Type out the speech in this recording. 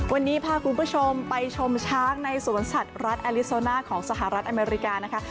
วันนี้พาคุณผู้ชมไปชมช้างในสวนสัตว์รัฐแอลิโซน่าของสหรัฐอเมริกานะคะ